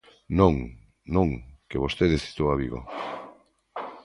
Non, non, que vostede citou a Vigo.